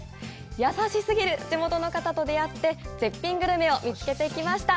優しすぎる地元の方と出会って、絶品グルメを見つけてきました。